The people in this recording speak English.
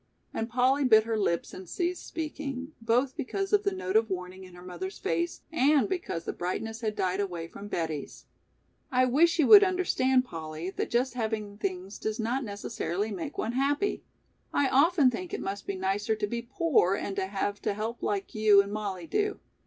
And Polly bit her lips and ceased speaking, both because of the note of warning in her mother's face and because the brightness had died away from Betty's. "I wish you would understand, Polly, that just having things does not necessarily make one happy; I often think it must be nicer to be poor and to have to help like you and Mollie do.